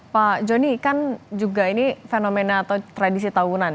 pak joni kan juga ini fenomena atau tradisi tahunan